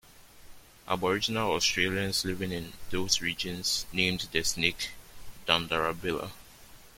Aboriginal Australians living in those regions named the snake "Dandarabilla".